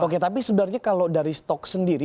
oke tapi sebenarnya kalau dari stok sendiri